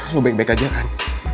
aku baik baik aja kan